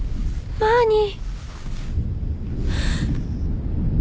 マーニー。